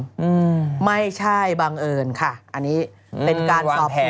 อืมไม่ใช่บังเอิญค่ะอันนี้เป็นการสอบสวน